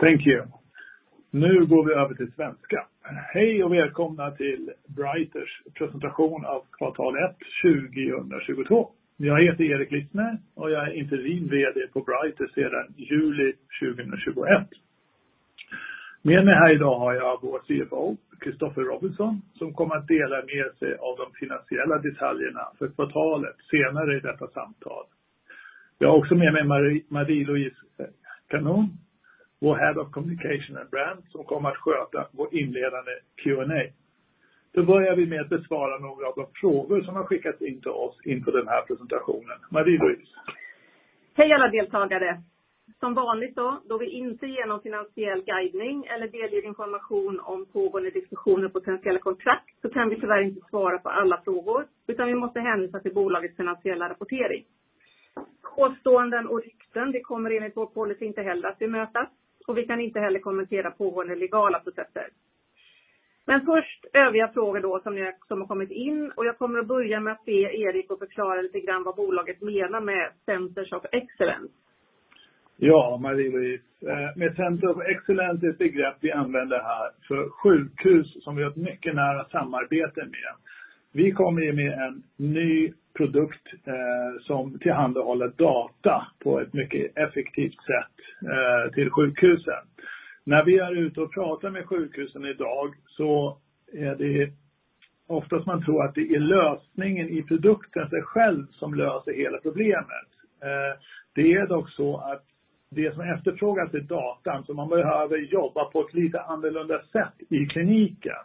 Thank you. Nu går vi över till svenska. Hej och välkomna till Brighter's presentation av kvartal ett 2022. Jag heter Erik Lissner och jag är interim vd på Brighter sedan juli 2021. Med mig här i dag har jag vår CFO Christopher Robinson, som kommer att dela med sig av de finansiella detaljerna för kvartalet senare i detta samtal. Jag har också med mig Marie-Louise Kanon, vår Head of Communication and Brand som kommer att sköta vår inledande Q&A. Då börjar vi med att besvara några av de frågor som har skickats in till oss inför den här presentationen. Marie-Louise. Hej alla deltagare. Som vanligt då vi inte ger någon finansiell guidning eller delger information om pågående diskussioner och potentiella kontrakt så kan vi tyvärr inte svara på alla frågor, utan vi måste hänvisa till bolagets finansiella rapportering. Påståenden och rykten, det kommer enligt vår policy inte heller att bemötas och vi kan inte heller kommentera pågående legala processer. Först övriga frågor då som har kommit in och jag kommer att börja med att be Erik att förklara lite grann vad bolaget menar med centers of excellence. Ja, Marie-Louise. Med center of excellence, det är ett begrepp vi använder här för sjukhus som vi har ett mycket nära samarbete med. Vi kommer ju med en ny produkt, som tillhandahåller data på ett mycket effektivt sätt, till sjukhusen. När vi är ute och pratar med sjukhusen i dag så är det oftast man tror att det är lösningen i produkten i sig själv som löser hela problemet. Det är dock så att det som efterfrågas är datan, så man behöver jobba på ett lite annorlunda sätt i kliniken.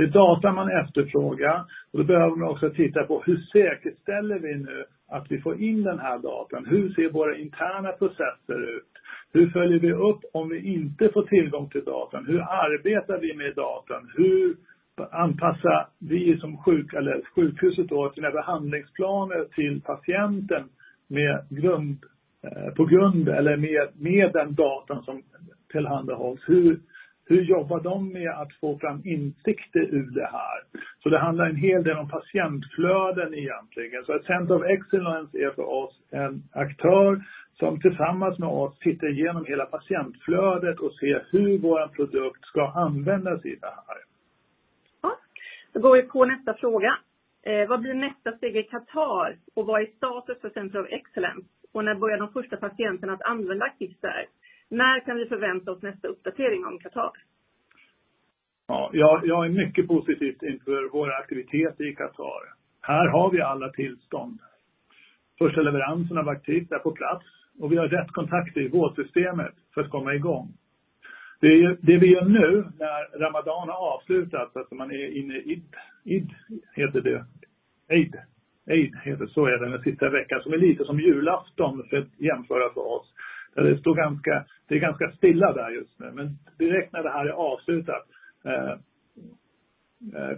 Det är data man efterfrågar och då behöver man också titta på hur säkerställer vi nu att vi får in den här datan? Hur ser våra interna processer ut? Hur följer vi upp om vi inte får tillgång till datan? Hur arbetar vi med datan? Hur anpassar vi som eller sjukhuset då sina behandlingsplaner till patienten med grund, på grund eller med den datan som tillhandahålls? Hur jobbar de med att få fram insikter ur det här? Det handlar en hel del om patientflöden egentligen. Ett center of excellence är för oss en aktör som tillsammans med oss tittar igenom hela patientflödet och ser hur vår produkt ska användas i det här. Ja, det går vi på nästa fråga. Vad blir nästa steg i Qatar och vad är status för center of excellence? Och när börjar de första patienterna att använda Actiste? När kan vi förvänta oss nästa uppdatering om Qatar? Ja, jag är mycket positiv inför våra aktiviteter i Qatar. Här har vi alla tillstånd. Första leveransen av Actiste är på plats och vi har rätt kontakter i vårdsystemet för att komma i gång. Det vi gör nu när Ramadan har avslutats alltså man är inne i id heter det. Eid. Eid heter det, så är den sista veckan som är lite som julafton för att jämföra för oss. Det är ganska stilla där just nu, men direkt när det här är avslutat,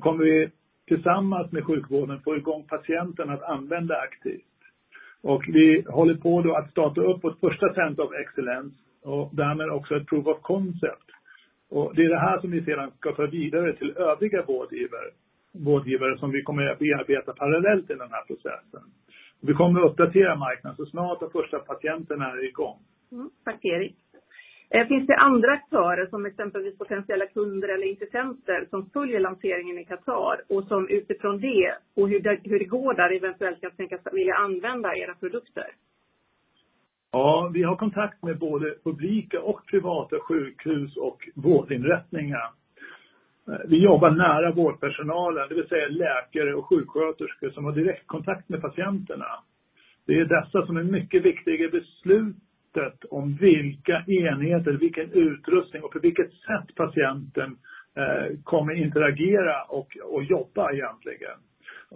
kommer vi tillsammans med sjukvården få i gång patienten att använda Actiste. Vi håller på då att starta upp vårt första center of excellence och därmed också ett proof of concept. Det är det här som vi sedan ska föra vidare till övriga vårdgivare som vi kommer att bearbeta parallellt i den här processen. Vi kommer uppdatera marknaden så snart de första patienterna är i gång. Tack Erik. Finns det andra aktörer som exempelvis potentiella kunder eller intressenter som följer lanseringen i Qatar och som utifrån det och hur det går där eventuellt kan tänkas vilja använda era produkter? Ja, vi har kontakt med både publika och privata sjukhus och vårdinrättningar. Vi jobbar nära vårdpersonalen, det vill säga läkare och sjuksköterskor som har direktkontakt med patienterna. Det är dessa som är mycket viktiga i beslutet om vilka enheter, vilken utrustning och på vilket sätt patienten kommer interagera och jobba egentligen.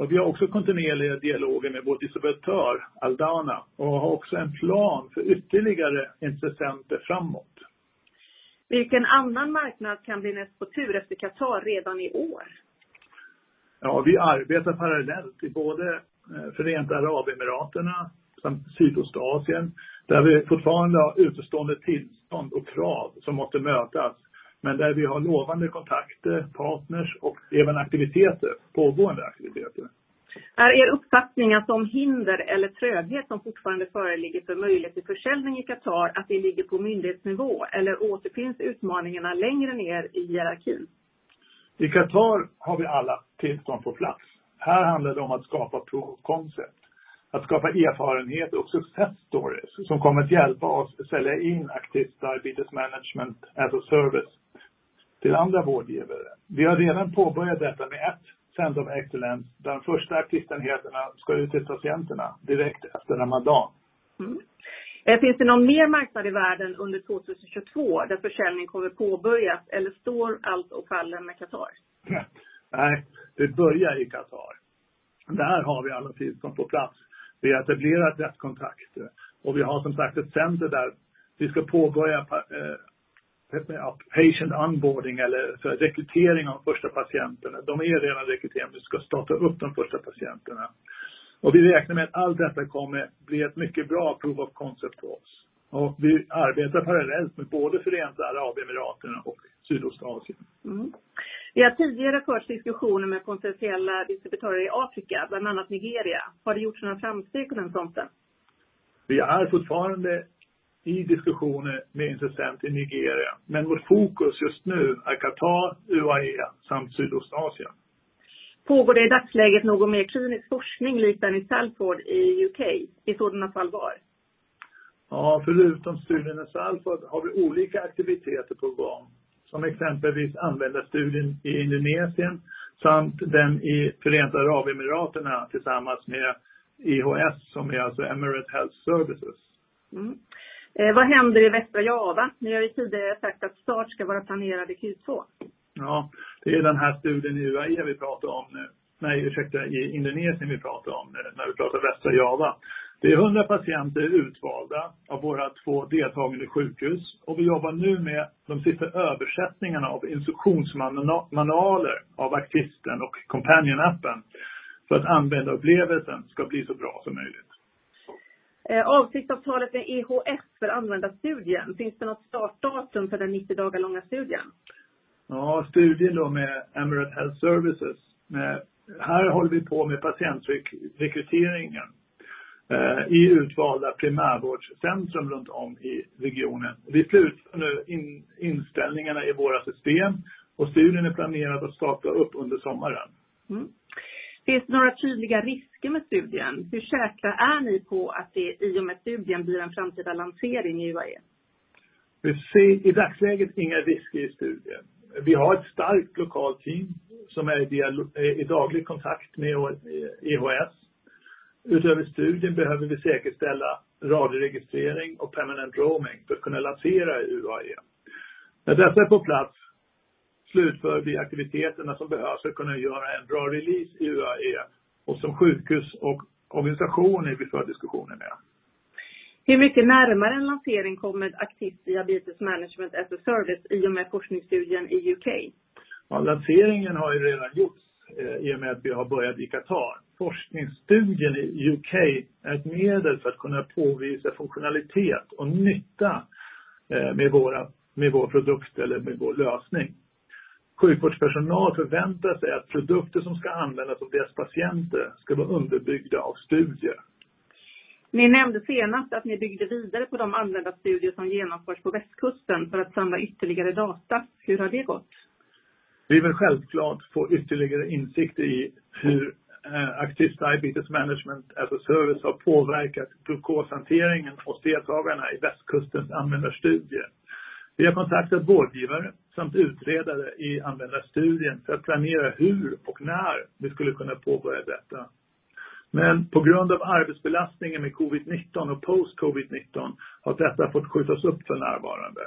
Vi har också kontinuerliga dialoger med vår distributör Aldana och har också en plan för ytterligare intressenter framåt. Vilken annan marknad kan bli näst på tur efter Qatar redan i år? Ja, vi arbetar parallellt i både Förenta Arabemiraterna samt Sydostasien, där vi fortfarande har utestående tillstånd och krav som måste mötas, men där vi har lovande kontakter, partners och även aktiviteter, pågående aktiviteter. Är er uppfattning att de hinder eller tröghet som fortfarande föreligger för möjlighet till försäljning i Qatar, att det ligger på myndighetsnivå eller återfinns utmaningarna längre ner i hierarkin? I Qatar har vi alla tillstånd på plats. Här handlar det om att skapa proof of concept, att skapa erfarenhet och success stories som kommer att hjälpa oss att sälja in Actiste Diabetes Management as a Service till andra vårdgivare. Vi har redan påbörjat detta med ett center of excellence där de första Actiste-enheterna ska ut till patienterna direkt efter Ramadan. Finns det någon mer marknad i världen under 2022 där försäljning kommer påbörjas eller står allt och faller med Qatar? Nej, det börjar i Qatar. Där har vi alla tillstånd på plats. Vi har etablerat rätt kontakter och vi har som sagt ett center där vi ska påbörja patient onboarding eller rekrytering av första patienterna. De är redan rekryterade, vi ska starta upp de första patienterna. Vi räknar med att allt detta kommer bli ett mycket bra proof of concept för oss. Vi arbetar parallellt med både Förenta Arabemiraten och Sydostasien. Det har tidigare förts diskussioner med potentiella distributörer i Afrika, bland annat Nigeria. Har det gjort några framsteg på den fronten? Vi är fortfarande i diskussioner med en system i Nigeria, men vårt fokus just nu är Qatar, UAE samt Sydostasien. Pågår det i dagsläget någon mer klinisk forskning utanför i Salford i UK? I sådana fall var? Ja, förutom studien i Salford har vi olika aktiviteter på gång, som exempelvis användarstudien i Indonesien samt den i Förenade Arabemiraten tillsammans med EHS, som är alltså Emirates Health Services. Vad händer i Västra Java? Ni har ju tidigare sagt att start ska vara planerad i Q2. Ja, det är den här studien i UAE vi pratar om nu. Nej, ursäkta i Indonesien vi pratar om när du pratar Västra Java. Det är 100 patienter utvalda av våra 2 deltagande sjukhus och vi jobbar nu med de sista översättningarna av instruktionsmanualer av Actiste och companion appen för att användarupplevelsen ska bli så bra som möjligt. Avsiktsavtalet med EHS för användarstudien. Finns det något startdatum för den 90 dagar långa studien? Ja, studien då med Emirates Health Services. Här håller vi på med patientrekryteringen i utvalda primärvårdscentrum runt om i regionen. Vi slutför nu inställningarna i våra system och studien är planerad att starta upp under sommaren. Finns några tydliga risker med studien? Hur säkra är ni på att det i och med studien blir en framtida lansering i UAE? Vi ser i dagsläget inga risker i studien. Vi har ett starkt lokalt team som är i dialog, i daglig kontakt med vårt EHS. Utöver studien behöver vi säkerställa radioregistrering och permanent roaming för kunna lansera i UAE. När detta är på plats slutför vi aktiviteterna som behövs för att kunna göra en bra release i UAE och med sjukhus och organisationer vi för diskussioner med. Hur mycket närmare en lansering kommer Actiste Diabetes Management as a Service i och med forskningsstudien i UK? Ja, lanseringen har ju redan gjorts i och med att vi har börjat i Qatar. Forskningsstudien i U.K. är ett medel för att kunna påvisa funktionalitet och nytta med vår produkt eller med vår lösning. Sjukvårdspersonal förväntar sig att produkter som ska användas på deras patienter ska vara underbyggda av studier. Ni nämnde senast att ni byggde vidare på de användarstudier som genomförs på Västkusten för att samla ytterligare data. Hur har det gått? Vi vill självklart få ytterligare insikter i hur Actiste Diabetes Management as a Service har påverkat glukoshanteringen hos deltagarna i västkustens användarstudie. Vi har kontaktat vårdgivare samt utredare i användarstudien för att planera hur och när vi skulle kunna påbörja detta. På grund av arbetsbelastningen med COVID-19 och post-COVID-19 har detta fått skjutas upp för närvarande.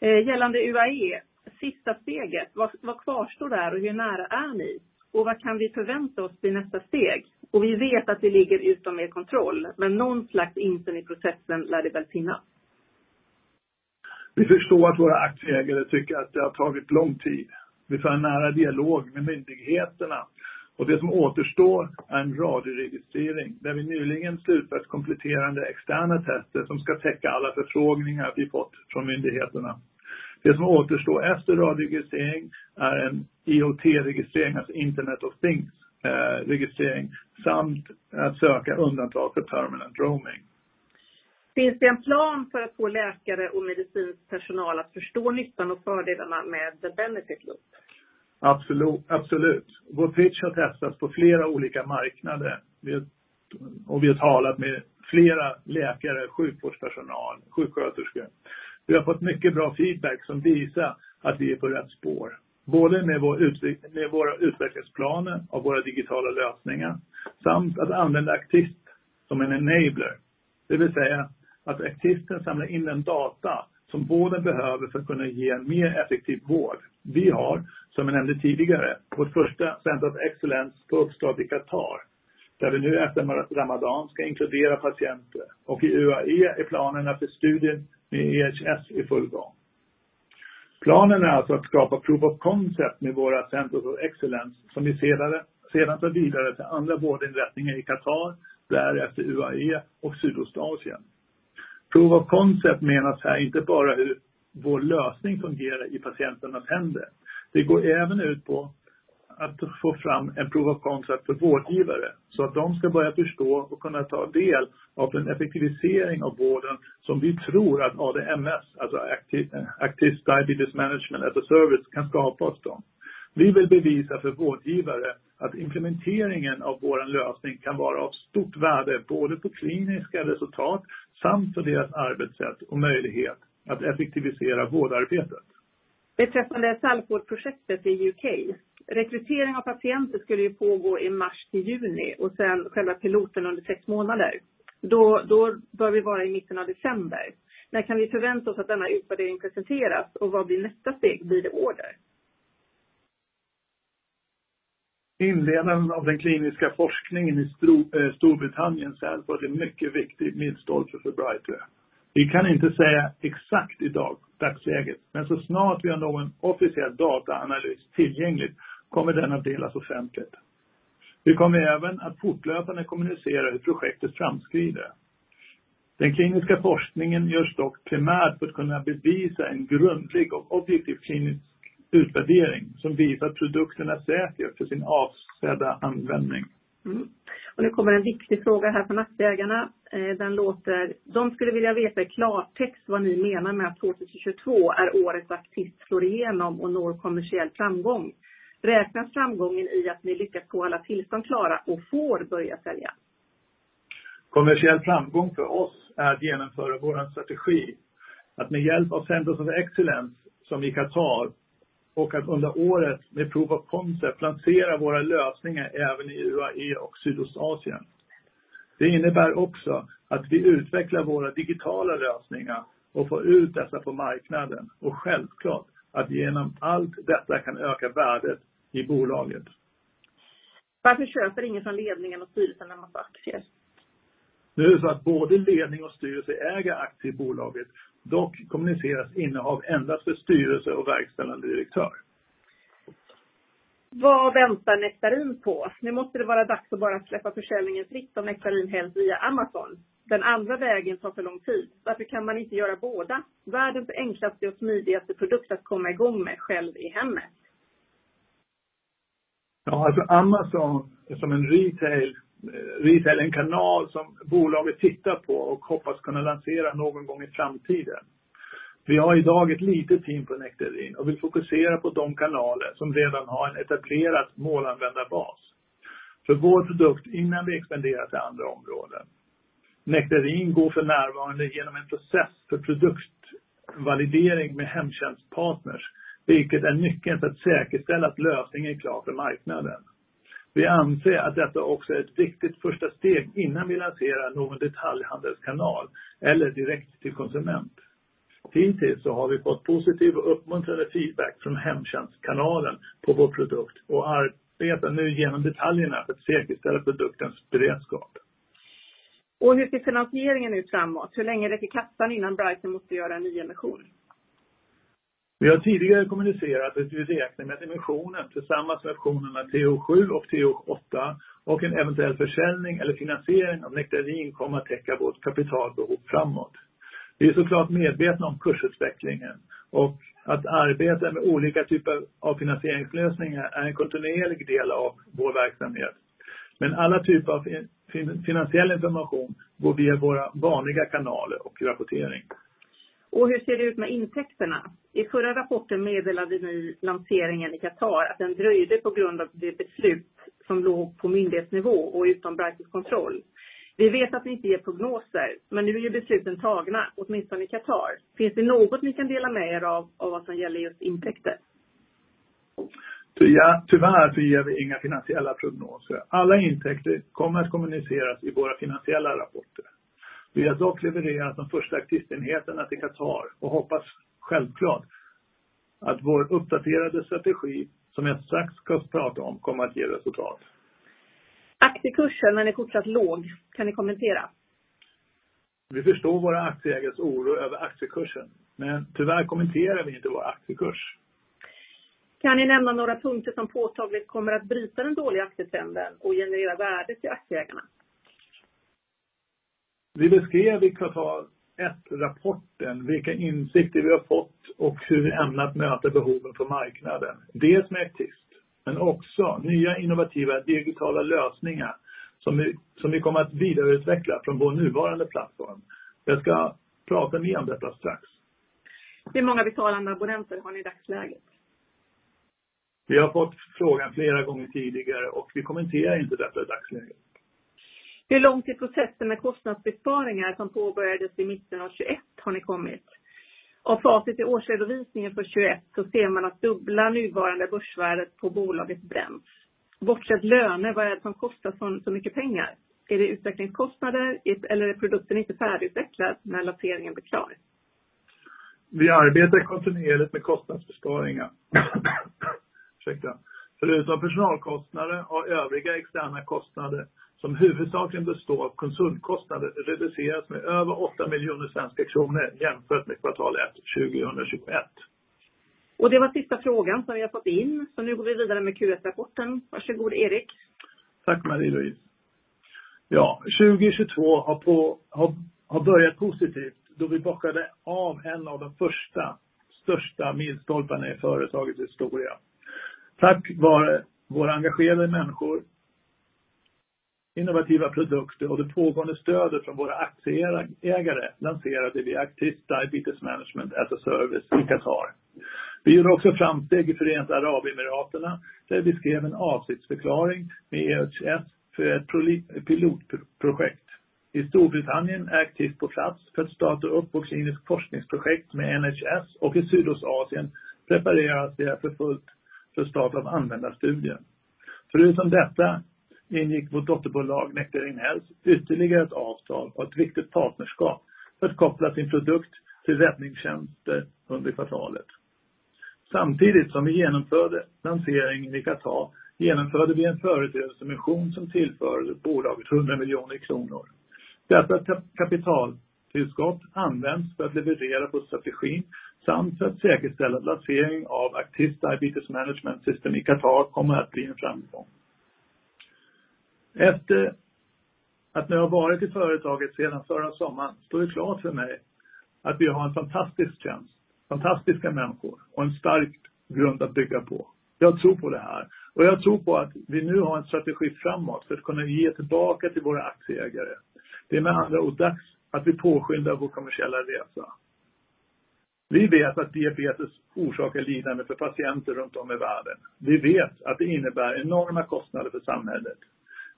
Gällande UAE, sista steget. Vad kvarstår där och hur nära är ni? Vad kan vi förvänta oss vid nästa steg? Vi vet att det ligger utom er kontroll, men någon slags insyn i processen lär det väl finnas. Vi förstår att våra aktieägare tycker att det har tagit lång tid. Vi för en nära dialog med myndigheterna och det som återstår är en radioregistrering där vi nyligen slutit ett kompletterande externa tester som ska täcka alla förfrågningar vi fått från myndigheterna. Det som återstår efter radioregistrering är en IoT-registrering, alltså Internet of Things-registrering, samt att söka undantag för permanent roaming. Finns det en plan för att få läkare och medicinsk personal att förstå nyttan och fördelarna med The Benefit Loop? Absolut. Vår pitch har testats på flera olika marknader. Vi har talat med flera läkare, sjukvårdspersonal, sjuksköterskor. Vi har fått mycket bra feedback som visar att vi är på rätt spår, både med vår med våra utvecklingsplaner av våra digitala lösningar samt att använda Actiste som en enabler. Det vill säga att Actiste samlar in den data som båda behöver för att kunna ge en mer effektiv vård. Vi har, som jag nämnde tidigare, vårt första center of excellence på uppdrag i Qatar, där vi nu efter Ramadan ska inkludera patienter och i UAE är planerna för studien med EHS i full gång. Planen är alltså att skapa proof of concept med våra centers of excellence som vi senare, sedan tar vidare till andra vårdinrättningar i Qatar, därefter UAE och Sydostasien. Proof of concept menas här inte bara hur vår lösning fungerar i patienternas händer. Det går även ut på att få fram en proof of concept för vårdgivare så att de ska börja förstå och kunna ta del av den effektivisering av vården som vi tror att ADMS, alltså Actiste Diabetes Management as a Service, kan skapa hos dem. Vi vill bevisa för vårdgivare att implementeringen av vår lösning kan vara av stort värde, både på kliniska resultat samt för deras arbetssätt och möjlighet att effektivisera vårdarbetet. Beträffande Salford-projektet i U.K. Rekrytering av patienter skulle ju pågå i mars till juni och sen själva piloten under sex månader. Då bör vi vara i mitten av december. När kan vi förvänta oss att denna utvärdering presenteras och vad blir nästa steg? Blir det order? Inledningen av den kliniska forskningen i Storbritannien, Salford, är en mycket viktig milstolpe för Brighter. Vi kan inte säga exakt i dag, dagsläget, men så snart vi har någon officiell dataanalys tillgängligt kommer den att delas offentligt. Vi kommer även att fortlöpande kommunicera hur projektet framskrider. Den kliniska forskningen görs dock primärt för att kunna bevisa en grundlig och objektiv klinisk utvärdering som bevisar produkternas säkerhet för sin avsedda användning. Nu kommer en viktig fråga här från aktieägarna. Den låter, de skulle vilja veta i klartext vad ni menar med att 2022 är året då Actiste slår igenom och når kommersiell framgång. Räknas framgången i att ni lyckats få alla tillstånd klara och får börja sälja? Kommersiell framgång för oss är att genomföra vår strategi. Att med hjälp av Centers of Excellence som i Qatar och att under året med proof of concept lansera våra lösningar även i UAE och Sydostasien. Det innebär också att vi utvecklar våra digitala lösningar och får ut dessa på marknaden. Självklart att genom allt detta kan öka värdet i bolaget. Varför köper ingen från ledningen och styrelsen när man får aktier? Nu är det så att både ledning och styrelse äger aktier i bolaget. Dock kommuniceras innehav endast för styrelse och verkställande direktör. Vad väntar Nectarine på? Nu måste det vara dags att bara släppa försäljningen fritt om Nectarine Health via Amazon. Den andra vägen tar för lång tid. Varför kan man inte göra båda? Världens enklaste och smidigaste produkt att komma i gång med själv i hemmet. Amazon är som en retail är en kanal som bolaget tittar på och hoppas kunna lansera någon gång i framtiden. Vi har i dag ett litet team på Nectarine och vill fokusera på de kanaler som redan har en etablerad målanvändarbas för vår produkt innan vi expanderar till andra områden. Nectarine går för närvarande igenom en process för produktvalidering med hemtjänstpartners, vilket är nyckeln för att säkerställa att lösningen är klar för marknaden. Vi anser att detta också är ett viktigt första steg innan vi lanserar någon detaljhandelskanal eller direkt till konsument. Hittills så har vi fått positiv och uppmuntrande feedback från hemtjänstkanalen på vår produkt och arbetar nu igenom detaljerna för att säkerställa produktens beredskap. Hur ser finansieringen ut framåt? Hur länge är det i kassan innan Brighter måste göra en nyemission? Vi har tidigare kommunicerat att vi räknar med att emissionen tillsammans med optionerna TO7 och TO8 och en eventuell försäljning eller finansiering av Nectarine kommer att täcka vårt kapitalbehov framåt. Vi är så klart medvetna om kursutvecklingen och att arbeta med olika typer av finansieringslösningar är en kontinuerlig del av vår verksamhet. Alla typer av finansiell information går via våra vanliga kanaler och rapportering. Hur ser det ut med intäkterna? I förra rapporten meddelade ni lanseringen i Qatar att den dröjde på grund av det beslut som låg på myndighetsnivå och utom Brighter's kontroll. Vi vet att ni inte ger prognoser, men nu är ju besluten tagna, åtminstone i Qatar. Finns det något ni kan dela med er av vad som gäller just intäkter? Tyvärr så ger vi inga finansiella prognoser. Alla intäkter kommer att kommuniceras i våra finansiella rapporter. Vi har dock levererat de första Actiste-enheterna till Qatar och hoppas självklart att vår uppdaterade strategi som jag strax ska prata om kommer att ge resultat. Aktiekursen den är fortsatt låg. Kan ni kommentera? Vi förstår våra aktieägares oro över aktiekursen, men tyvärr kommenterar vi inte vår aktiekurs. Kan ni nämna några punkter som påtagligt kommer att bryta den dåliga aktietrenden och generera värde till aktieägarna? Vi beskrev i Qatar-rapporten vilka insikter vi har fått och hur vi ämnar möta behoven på marknaden. Dels med Actiste, men också nya innovativa digitala lösningar som vi kommer att vidareutveckla från vår nuvarande plattform. Jag ska prata mer om detta strax. Hur många betalande abonnenter har ni i dagsläget? Vi har fått frågan flera gånger tidigare och vi kommenterar inte detta i dagsläget. Hur långt i processen med kostnadsbesparingar som påbörjades i mitten av 2021 har ni kommit? Och på basis i årsredovisningen för 2021 så ser man att dubbla nuvarande börsvärdet på bolaget bränns. Bortsett löner, vad är det som kostar så mycket pengar? Är det utvecklingskostnader eller är produkten inte färdigutvecklad när lanseringen blir klar? Vi arbetar kontinuerligt med kostnadsbesparingar. Ursäkta. Förutom personalkostnader och övriga externa kostnader som huvudsakligen består av konsultkostnader reduceras med över 8 miljoner kronor jämfört med kvartal ett 2021. Det var sista frågan som jag fått in. Nu går vi vidare med Q1-rapporten. Varsågod Erik. Tack Marie-Louise. Ja, 2022 har börjat positivt då vi bockade av en av de första största milstolparna i företagets historia. Tack vare våra engagerade människor, innovativa produkter och det pågående stödet från våra aktieägare lanserade vi Actiste Diabetes Management as a Service i Qatar. Vi gjorde också framsteg i Förenade Arabemiraten, där vi skrev en avsiktsförklaring med EHS för ett pilotprojekt. I Storbritannien är Actiste på plats för att starta upp vårt kliniskt forskningsprojekt med NHS och i Sydostasien preparerar vi för fullt för start av användarstudier. Förutom detta ingick vårt dotterbolag Nectarine Health ytterligare ett avtal och ett viktigt partnerskap för att koppla sin produkt till räddningstjänster under kvartalet. Samtidigt som vi genomförde lanseringen i Qatar genomförde vi en företrädesemission som tillförde bolaget 100 miljoner kronor. Detta kapitaltillskott används för att leverera på strategin samt för att säkerställa att lanseringen av Actiste Diabetes Management System i Qatar kommer att bli en framgång. Efter att nu ha varit i företaget sedan förra sommaren så är det klart för mig att vi har en fantastisk tjänst, fantastiska människor och en stark grund att bygga på. Jag tror på det här och jag tror på att vi nu har en strategi framåt för att kunna ge tillbaka till våra aktieägare. Det är med andra ord dags att vi påskyndar vår kommersiella resa. Vi vet att diabetes orsakar lidande för patienter runt om i världen. Vi vet att det innebär enorma kostnader för samhället.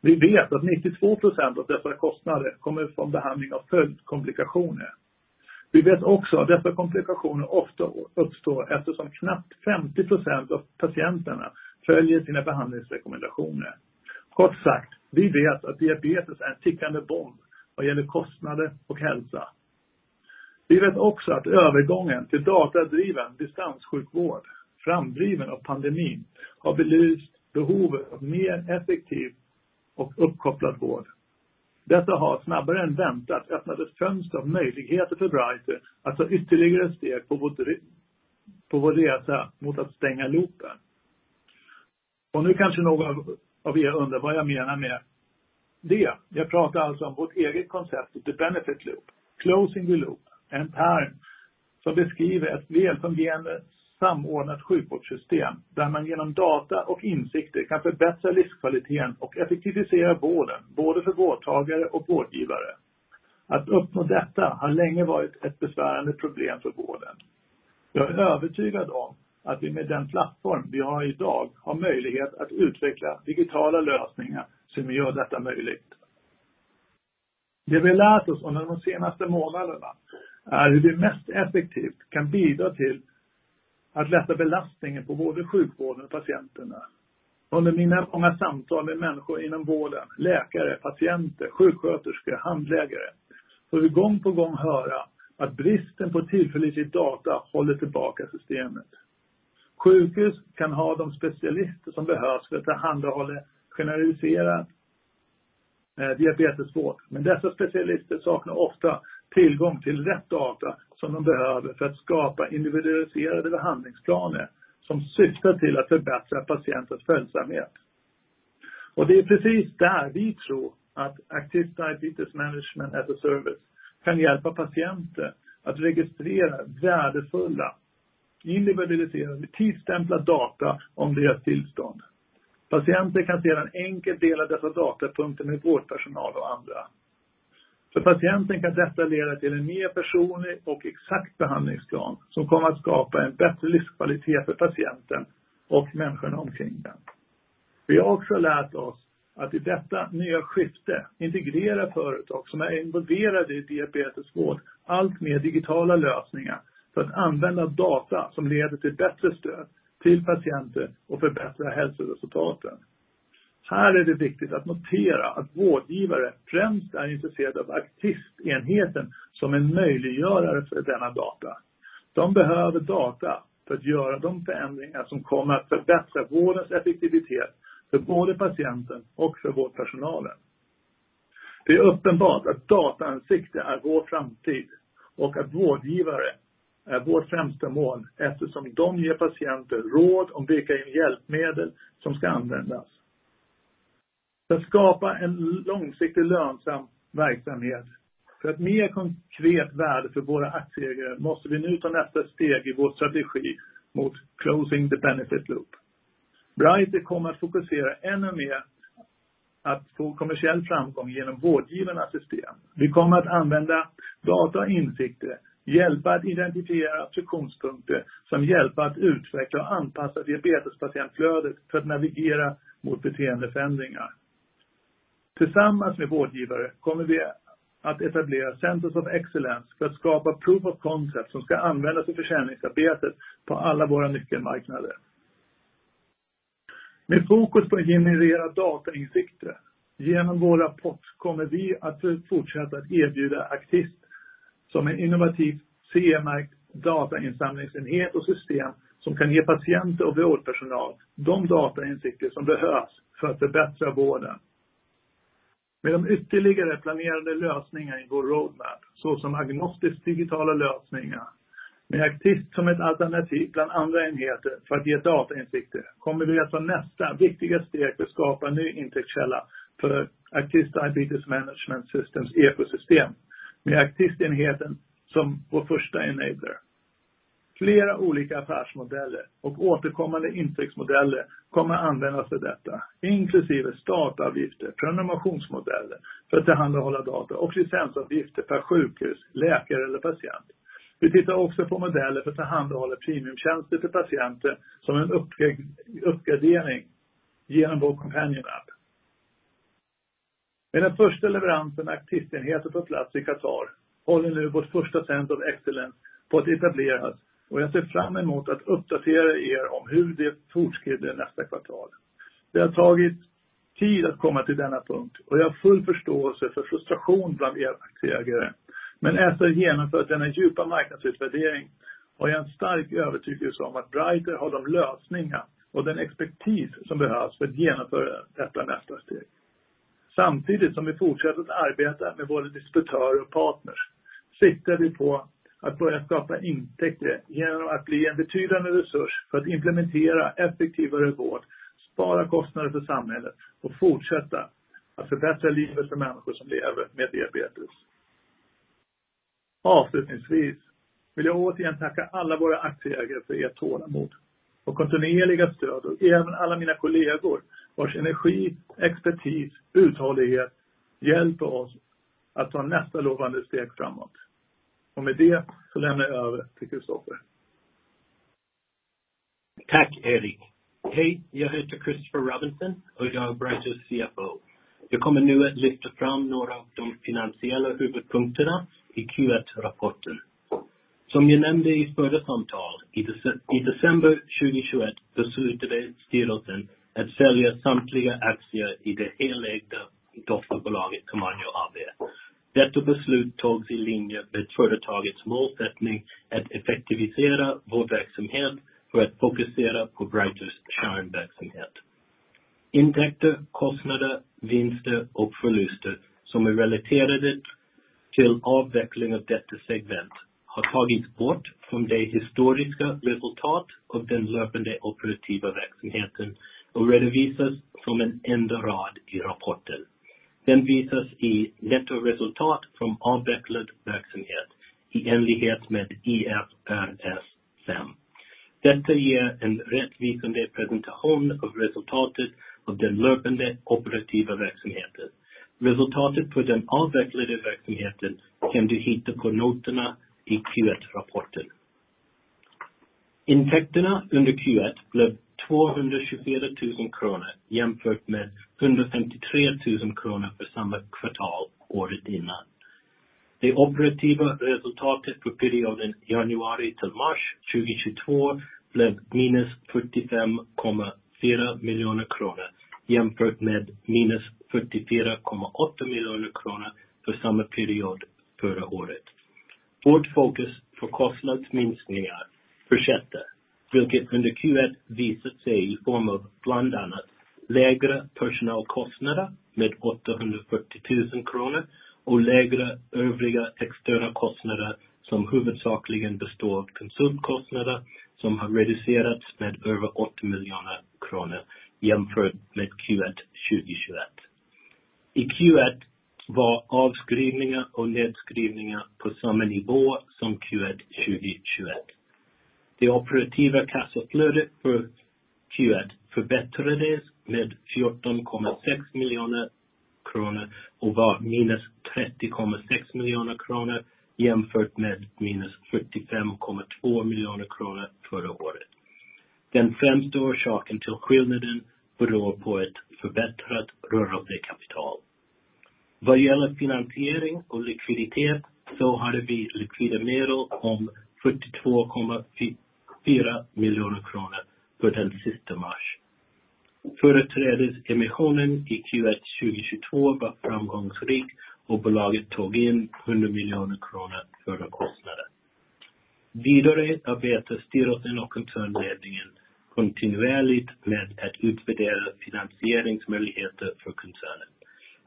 Vi vet att 92% av dessa kostnader kommer från behandling av följdkomplikationer. Vi vet också att dessa komplikationer ofta uppstår eftersom knappt 50% av patienterna följer sina behandlingsrekommendationer. Kort sagt, vi vet att diabetes är en tickande bomb vad gäller kostnader och hälsa. Vi vet också att övergången till datadriven distanssjukvård, framdriven av pandemin, har belyst behovet av mer effektiv och uppkopplad vård. Detta har snabbare än väntat öppnat ett fönster av möjligheter för Brighter att ta ytterligare steg på vår resa mot att stänga loopen. Nu kanske någon av er undrar vad jag menar med det. Jag pratar alltså om vårt eget koncept, The Benefit Loop, closing the loop in time, som beskriver ett välfungerande samordnat sjukvårdssystem där man genom data och insikter kan förbättra livskvaliteten och effektivisera vården både för vårdtagare och vårdgivare. Att uppnå detta har länge varit ett besvärande problem för vården. Jag är övertygad om att vi med den plattform vi har i dag har möjlighet att utveckla digitala lösningar som gör detta möjligt. Det vi lärt oss under de senaste månaderna är hur vi mest effektivt kan bidra till att lätta belastningen på både sjukvården och patienterna. Under mina många samtal med människor inom vården, läkare, patienter, sjuksköterskor, handläggare får vi gång på gång höra att bristen på tillförlitlig data håller tillbaka systemet. Sjukhus kan ha de specialister som behövs för att tillhandahålla generaliserad diabetesvård, men dessa specialister saknar ofta tillgång till rätt data som de behöver för att skapa individualiserade behandlingsplaner som syftar till att förbättra patientens följsamhet. Det är precis där vi tror att Actiste Diabetes Management as a Service kan hjälpa patienter att registrera värdefulla, individualiserade, tidstämpla data om deras tillstånd. Patienten kan sedan enkelt dela dessa datapunkter med vårdpersonal och andra. För patienten kan detta leda till en mer personlig och exakt behandlingsplan som kommer att skapa en bättre livskvalitet för patienten och människorna omkring den. Vi har också lärt oss att i detta nya skifte integrerar företag som är involverade i diabetesvård allt mer digitala lösningar för att använda data som leder till bättre stöd till patienter och förbättra hälsoresultaten. Här är det viktigt att notera att vårdgivare främst är intresserade av Actiste-enheten som en möjliggörare för denna data. De behöver data för att göra de förändringar som kommer att förbättra vårdens effektivitet för både patienten och för vårdpersonalen. Det är uppenbart att datainsikter är vår framtid och att vårdgivare är vårt främsta mål eftersom de ger patienter råd om vilka hjälpmedel som ska användas. För att skapa en långsiktig lönsam verksamhet för ett mer konkret värde för våra aktieägare måste vi nu ta nästa steg i vår strategi mot closing the benefit loop. Brighter kommer att fokusera ännu mer att få kommersiell framgång genom vårdgivarnas system. Vi kommer att använda data och insikter, hjälpa att identifiera friktionspunkter som hjälper att utveckla och anpassa diabetespatientflödet för att navigera mot beteendeförändringar. Tillsammans med vårdgivare kommer vi att etablera centers of excellence för att skapa proof of concept som ska användas i försäljningsarbetet på alla våra nyckelmarknader. Med fokus på att generera datainsikter genom våra podd kommer vi att fortsätta att erbjuda Actiste som en innovativ, CE-märkt datainsamlingsenhet och system som kan ge patienter och vårdpersonal de datainsikter som behövs för att förbättra vården. Med de ytterligare planerade lösningar i vår roadmap, såsom agnostiskt digitala lösningar, med Actiste som ett alternativ bland andra enheter för att ge datainsikter, kommer vi att ta nästa viktiga steg för att skapa en ny intäktskälla för Actiste Diabetes Management Systems ekosystem med Actiste-enheten som vår första enabler. Flera olika affärsmodeller och återkommande intäktsmodeller kommer användas för detta, inklusive dataavgifter, prenumerationsmodeller för att tillhandahålla data och licensavgifter per sjukhus, läkare eller patient. Vi tittar också på modeller för att tillhandahålla premiumtjänster för patienter som en uppgradering genom vår companion app. Med den första leveransen av Actiste-enheter på plats i Qatar håller nu vårt första center of excellence på att etableras och jag ser fram emot att uppdatera er om hur det fortskrider nästa kvartal. Det har tagit tid att komma till denna punkt och jag har full förståelse för frustration bland er aktieägare. Efter genomförd denna djupa marknadsutvärdering har jag en stark övertygelse om att Brighter har de lösningar och den expertis som behövs för att genomföra detta nästa steg. Samtidigt som vi fortsätter att arbeta med både distributörer och partners, siktar vi på att börja skapa intäkter genom att bli en betydande resurs för att implementera effektivare vård, spara kostnader för samhället och fortsätta att förbättra livet för människor som lever med diabetes. Avslutningsvis vill jag återigen tacka alla våra aktieägare för ert tålamod och kontinuerliga stöd och även alla mina kollegor vars energi, expertis, uthållighet hjälper oss att ta nästa lovande steg framåt. Med det så lämnar jag över till Christopher. Tack Erik. Hej, jag heter Christopher Robinson och jag är Brighter's CFO. Jag kommer nu att lyfta fram några av de finansiella huvudpunkterna i Q1-rapporten. Som jag nämnde i förra samtal, i december 2021 beslutade styrelsen att sälja samtliga aktier i det helägda dotterbolaget Camanio AB. Detta beslut togs i linje med företagets målsättning att effektivisera vår verksamhet för att fokusera på Brighter's kärnverksamhet. Intäkter, kostnader, vinster och förluster som är relaterade till avveckling av detta segment har tagits bort från det historiska resultat av den löpande operativa verksamheten och redovisas som en enda rad i rapporten. Den visas i nettoresultat från avvecklad verksamhet i enlighet med IFRS 5. Detta ger en rättvisande presentation av resultatet av den löpande operativa verksamheten. Resultatet på den avvecklade verksamheten kan du hitta på noterna i Q1-rapporten. Intäkterna under Q1 blev 224 thousand kronor jämfört med 153 thousand kronor för samma kvartal året innan. Det operativa resultatet för perioden januari till mars 2022 blev -45.4 million kronor jämfört med -44.8 million kronor för samma period förra året. Vårt fokus på kostnadsminskningar fortsätter, vilket under Q1 visat sig i form av bland annat lägre personalkostnader med 840,000 kronor och lägre övriga externa kostnader som huvudsakligen består av konsumkostnader som har reducerats med över 8 million kronor jämfört med Q1 2021. I Q1 var avskrivningar och nedskrivningar på samma nivå som Q1 2021. Det operativa kassaflödet för Q1 förbättrades med SEK 14.6 million och var -30.6 million kronor jämfört med -45.2 million kronor förra året. Den främsta orsaken till skillnaden beror på ett förbättrat rörligt kapital. Vad gäller finansiering och likviditet så hade vi likvida medel om SEK 42.4 million per den siste mars. Företrädesemissionen i Q1 2022 var framgångsrik och bolaget tog in 100 miljoner kronor före kostnader. Vidare arbetar styrelsen och koncernledningen kontinuerligt med att utvärdera finansieringsmöjligheter för koncernen.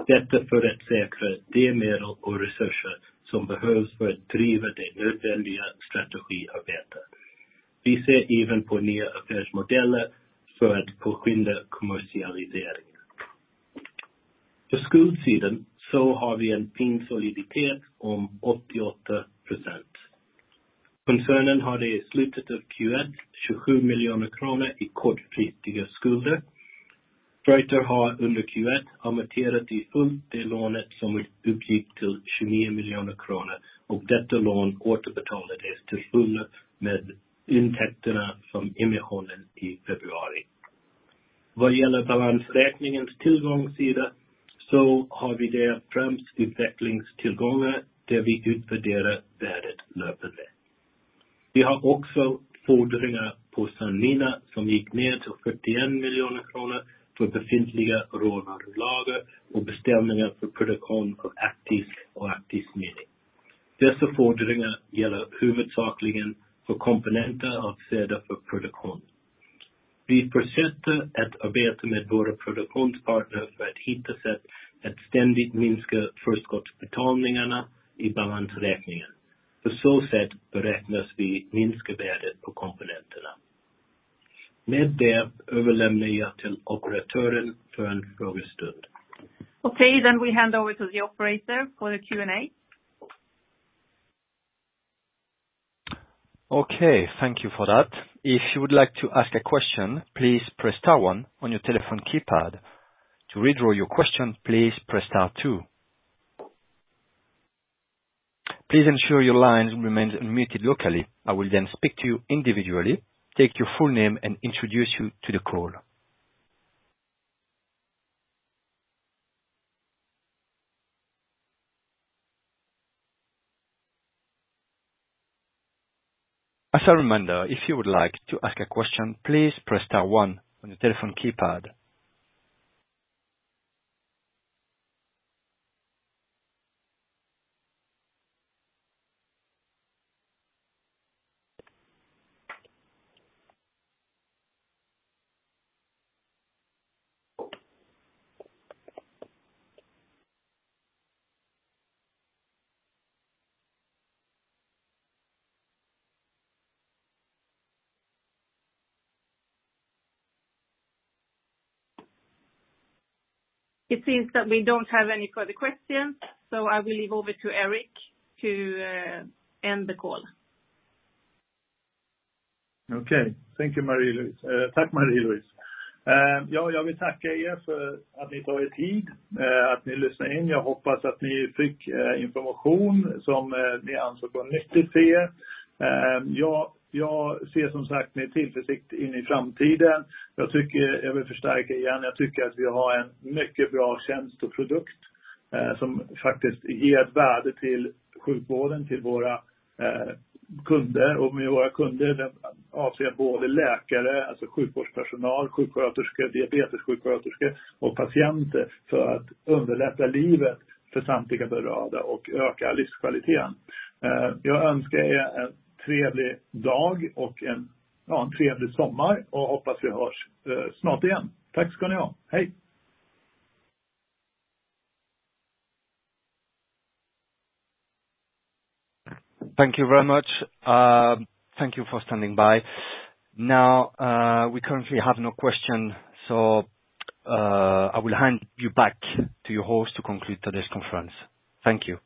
Detta för att säkra de medel och resurser som behövs för att driva det nödvändiga strategiarbetet. Vi ser även på nya affärsmodeller för att påskynda kommersialisering. På skuldsidan har vi en fin soliditet om 88%. Koncernen har i slutet av Q1 27 miljoner kronor i kortfristiga skulder. Brighter har under Q1 amorterat fullt det lånet som uppgick till 29 miljoner kronor och detta lån återbetalades till fullo med intäkterna från emissionen i februari. Vad gäller balansräkningens tillgångssida har vi det främst utvecklingstillgångar där vi utvärderar värdet löpande. Vi har också fordringar på Sanmina som gick ned till 41 miljoner kronor för befintliga råvarulager och beställningar för produktion av Actiste och Actiste Mini. Dessa fordringar gäller huvudsakligen för komponenter avsedda för produktion. Vi fortsätter att arbeta med våra produktionspartner för att hitta sätt att ständigt minska förskottsbetalningarna i balansräkningen. På så sätt beräknas vi minska värdet på komponenterna. Med det överlämnar jag till operatören för en frågestund. Okay, we hand over to the operator for the Q&A. Okay, thank you for that. If you would like to ask a question, please press star one on your telephone keypad. To withdraw your question, please press star two. Please ensure your line remains unmuted locally. I will then speak to you individually, take your full name and introduce you to the caller. As a reminder, if you would like to ask a question, please press star one on your telephone keypad. It seems that we don't have any further questions, so I will leave over to Erik to end the call. Okay. Thank you, Marie-Louise. Tack, Marie-Louise. Jag vill tacka er för att ni tar er tid att ni lyssnar in. Jag hoppas att ni fick information som ni ansåg var nyttigt för er. Jag ser som sagt med tillförsikt in i framtiden. Jag tycker, jag vill förstärka igen, jag tycker att vi har en mycket bra tjänst och produkt som faktiskt ger ett värde till sjukvården, till våra kunder och med våra kunder avser både läkare, alltså sjukvårdspersonal, sjuksköterskor, diabetessjuksköterskor och patienter för att underlätta livet för samtliga berörda och öka livskvaliteten. Jag önskar er en trevlig dag och en trevlig sommar och hoppas vi hörs snart igen. Tack ska ni ha. Hej. Thank you very much. Thank you for standing by. Now, we currently have no question, so, I will hand you back to your host to conclude today's conference. Thank you.